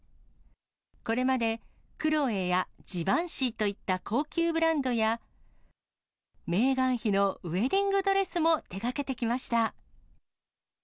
これまでクロエや、ジバンシィといった高級ブランドや、メーガン妃のウエディングドレスも手がけてきました。